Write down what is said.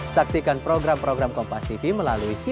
saksikan program program kompas tv melalui cc